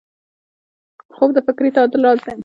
خوب د فکري تعادل راز دی